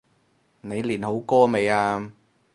你練好歌未呀？